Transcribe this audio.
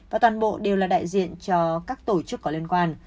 và toàn bộ đều là đại diện cho các tổ chức có liên quan